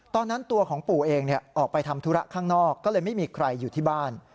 ตอนนั้นตัวของปู่เองออกไปทำธุระข้างนอกก็เลยไม่มีใครอยู่ที่บ้าน